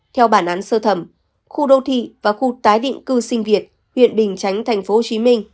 theo bản án sơ thẩm khu đô thị và khu tái định cư sinh việt huyện bình chánh tp hcm